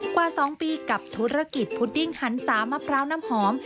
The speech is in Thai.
กว่า๒ปีกับธุรกิจพุดดิ้งหันสามะพร้าวน้ำหอม